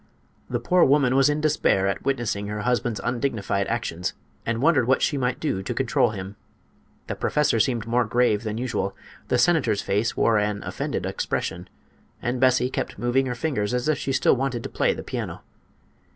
The poor woman was in despair at witnessing her husband's undignified actions and wondered what she might do to control him. The professor seemed more grave than usual; the senator's face wore an offended expression, and Bessie kept moving her fingers as if she still wanted to play the piano.